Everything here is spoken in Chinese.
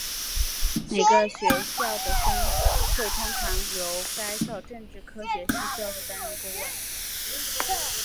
每个学校的分会通常由该校政治科学系的教授担任顾问。